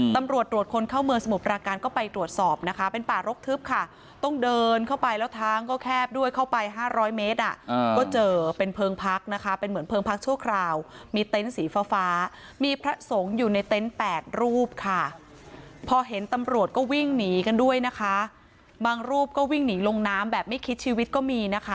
ตำรวจตรวจคนเข้าเมืองสมุทรปราการก็ไปตรวจสอบนะคะเป็นป่ารกทึบค่ะต้องเดินเข้าไปแล้วทางก็แคบด้วยเข้าไปห้าร้อยเมตรอ่ะก็เจอเป็นเพลิงพักนะคะเป็นเหมือนเพลิงพักชั่วคราวมีเต็นต์สีฟ้าฟ้ามีพระสงฆ์อยู่ในเต็นต์แปดรูปค่ะพอเห็นตำรวจก็วิ่งหนีกันด้วยนะคะบางรูปก็วิ่งหนีลงน้ำแบบไม่คิดชีวิตก็มีนะคะ